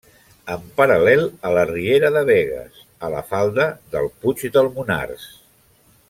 En paral·lel a la riera de Begues, a la falda del Puig del Monars.